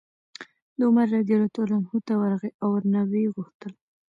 دی عمر رضي الله عنه ته ورغی او ورنه ویې غوښتل